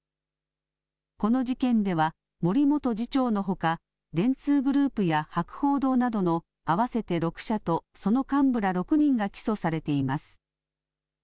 この事件では森元次長のほか、電通グループや博報堂などの合わせて６社とその幹部ら６人が起訴されています。